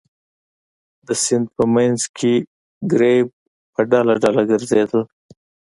د سیند په منځ کې ګرېب په ډله ډله ګرځېدل.